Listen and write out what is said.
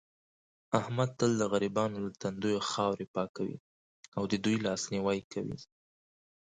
احمد تل د غریبانو له تندیو خاورې پاکوي او دې دوی لاس نیوی کوي.